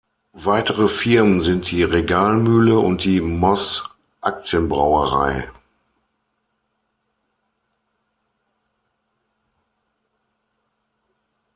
Weitere Firmen sind die „Regal Mühle“ und die „Moss Aktienbrauerei“.